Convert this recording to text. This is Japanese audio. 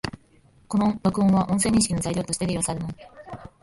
この録音は、音声認識の材料として利用されます